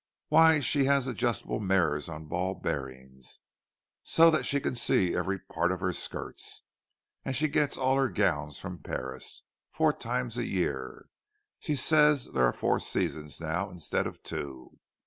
"Why, she has adjustable mirrors on ball bearings, so that she can see every part of her skirts! And she gets all her gowns from Paris, four times a year—she says there are four seasons now, instead of two!